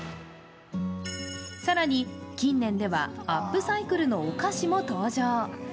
更に、近年ではアップサイクルのお菓子も登場。